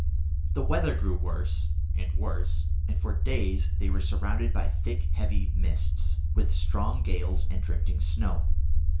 The weather grew worse and worse, and for days they were surrounded by thick heavy mists, with strong gales and drifting snow.